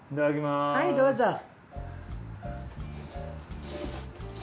はいどうぞ。